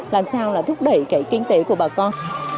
làm sao là thúc đẩy cái kinh tế của bà con